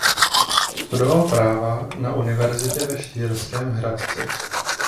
Studoval práva na univerzitě ve Štýrském Hradci.